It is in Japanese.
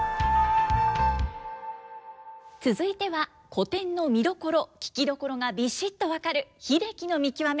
続いては古典の見どころ聴きどころがビシッと分かる「英樹の見きわめ」。